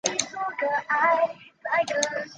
通常在吃鱼生会喝鱼头汤和吃鱼片稀粥。